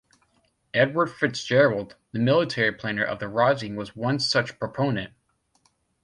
Edward Fitzgerald, the military planner of the rising was one such proponent.